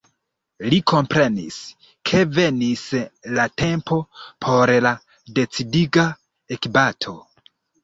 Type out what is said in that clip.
Li komprenis, ke venis la tempo por la decidiga ekbato.